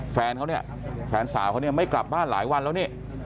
แฟนเขาเนี่ยแฟนสาวเขาเนี่ยไม่กลับบ้านหลายวันแล้วนี่